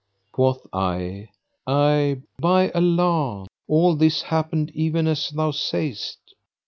Quoth I Ay, by Allah: all this happened even as thou sayest."